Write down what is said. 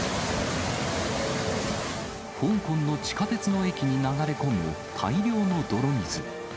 香港の地下鉄の駅に流れ込む、大量の泥水。